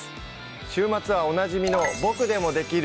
週末はおなじみの「ボクでもできる！